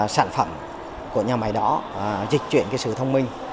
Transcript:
từ những sản phẩm của nhà máy đó dịch chuyển sự thông minh